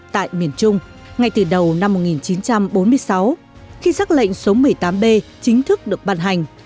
tại miền trung ngay từ đầu năm một nghìn chín trăm bốn mươi sáu khi xác lệnh số một mươi tám b chính thức được bàn hành